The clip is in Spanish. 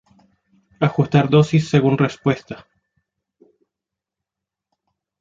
Ajustar dosis según respuesta.